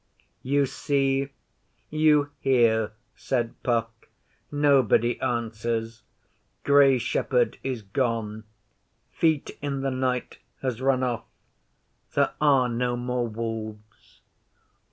'You see? You hear?' said Puck. 'Nobody answers. Grey Shepherd is gone. Feet in the Night has run off. There are no more wolves.